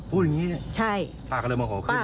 พูดอย่างนี้เหรอข้าก็เลยโมโหขึ้นเลยใช่